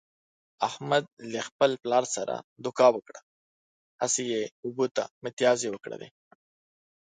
احمد له خپل پلار سره دوکه وکړه، هسې یې اوبو ته متیازې و کړلې.